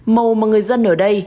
màu mà người dân ở đây